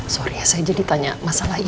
sorry ya saya jadi tanya masalah ini